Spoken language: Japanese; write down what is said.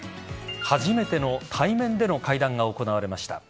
初めての対面での会談が行われました。